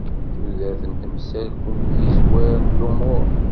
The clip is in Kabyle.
Tudert d tamsalt umyizwer n lumuṛ.